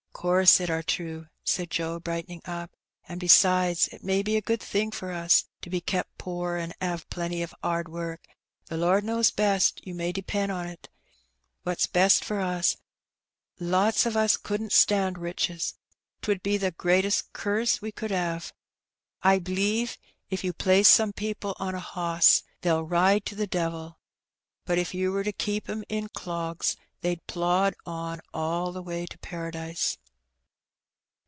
" Course it are true," said Joe, brightening up. " An', besides, it may be a good thing for us to be kep' poor an' 'ave plenty o' 'ard work. The Lord knows best, you may depend on't, what's best for us; lots of us couldn't stand riches, 'twould be the greatest curse we could 'ave. I b'lieve if you place some people on a hoss they'd ride to the devil, but if you were to keep 'em in clogs they'd plod on all the way to Paradise."